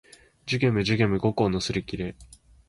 寿限無寿限無五劫のすりきれ